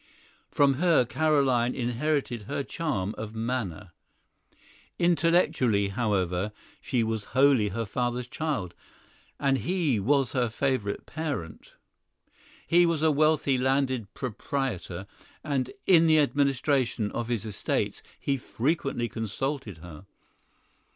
From her Carolyne inherited her charm of manner. Intellectually, however, she was wholly her father's child; and he was her favorite parent. He was a wealthy landed proprietor, and in the administration of his estates, he frequently consulted her.